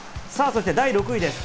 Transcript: そして第６位です。